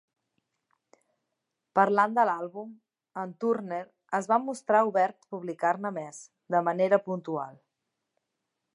Parlant de l'àlbum, en Turner es va mostrar obert a publicar-ne més "de manera puntual"